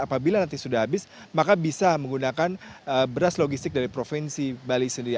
apabila nanti sudah habis maka bisa menggunakan beras logistik dari provinsi bali sendiri